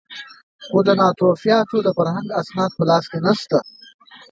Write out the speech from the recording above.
خو د ناتوفیانو د فرهنګ اسناد په لاس کې نه شته.